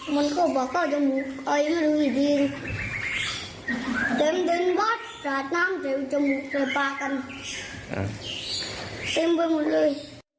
มันก็บอกว่าจมูกไอ้มันดูดีเต็มว่าสาดน้ำเต็มจมูกในปากันเต็มไปหมดเลย